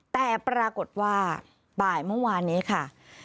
แต่ปรากฏว่าบ่ายเมื่อวานนี้ค่ะ